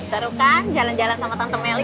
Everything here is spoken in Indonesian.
ya seru kan jalan jalan sama tante melly